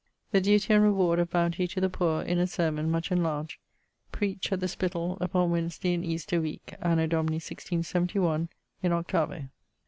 The duty and reward of bounty to the poor, in a sermon, much enlarged, preached at the Spittall upon Wednesday in Easter weeke anno Domini 1671, in 8vo.